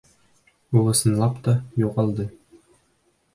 Ул ысынлап та, юғалды...